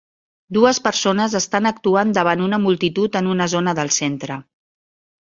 Dues persones estan actuant davant una multitud en una zona del centre